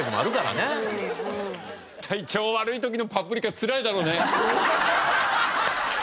体調悪い時の『パプリカ』つらいだろうね。